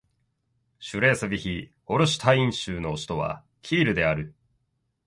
シュレースヴィヒ＝ホルシュタイン州の州都はキールである